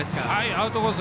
アウトコース